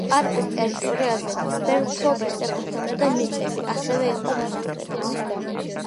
პარკის ტერიტორიაზე ბევრ მფლობელს ეკუთვნოდა მიწები, ასევე იყო მონასტრებიც.